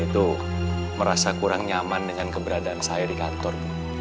itu merasa kurang nyaman dengan keberadaan saya di kantor